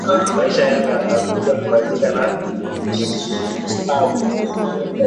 maisha yako yatakuja kubadilika na kustawi